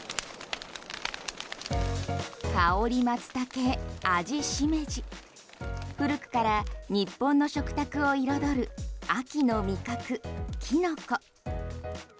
香りマツタケ味シメジ古くから日本の食卓を彩る秋の味覚キノコ。